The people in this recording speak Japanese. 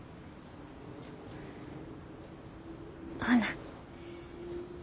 ほな。